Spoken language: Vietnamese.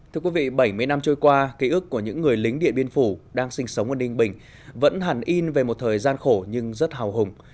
thưa quý vị bảy mươi năm trôi qua ký ức của những người lính điện biên phủ đang sinh sống ở ninh bình vẫn hẳn in về một thời gian khổ nhưng rất hào hùng